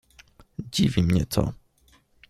Dziwi mnie to.